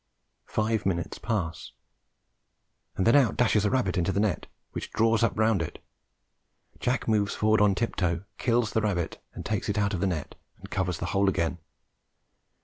Five minutes pass, and then out dashes a rabbit into a net, which draws up round it. Jack moves forward on tip toe, kills the rabbit and takes it out of the net, and covers the hole again.